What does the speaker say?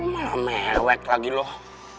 lu malah mewek lagi loh